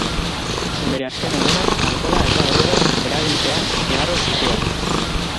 Bere azken egunak alkohola eta drogen eraginpean igaro zituen.